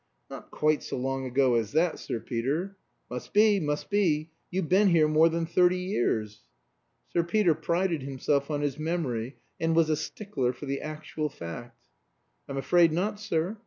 "Not quite so long ago as that, Sir Peter." "Must be, must be; you've been here more than thirty years." Sir Peter prided himself on his memory, and was a stickler for the actual fact. "I'm afraid not, sir."